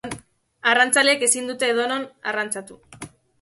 Arrantzaleek ezin dute edonon arrantzatu.